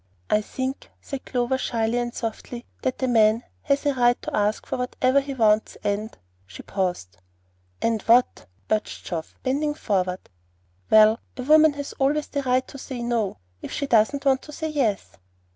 "I think;" said Clover, shyly and softly, "that a man has a right to ask for whatever he wants, and " she paused. "And what?" urged Geoff, bending forward. "Well, a woman has always the right to say no, if she doesn't want to say yes."